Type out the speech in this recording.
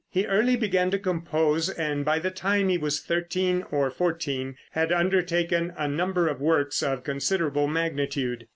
He early began to compose, and by the time he was thirteen or fourteen, had undertaken a number of works of considerable magnitude.